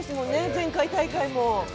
前回大会も。